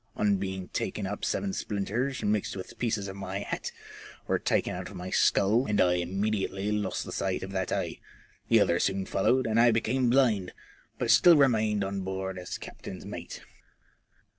On being taken up seven splinters, mixed with pieces of my hat, were taken out of my skull, and I immediately lost the sight of that eye ; the other soon followed, and I became bhnd, but still remained on board as captain's mate.